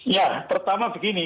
ya pertama begini